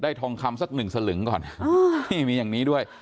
ทองคำสักหนึ่งสลึงก่อนมีอย่างนี้ด้วย